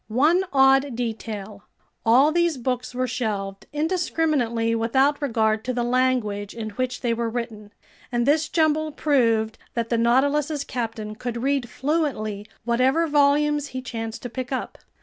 One odd detail: all these books were shelved indiscriminately without regard to the language in which they were written, and this jumble proved that the Nautilus's captain could read fluently whatever volumes he chanced to pick up.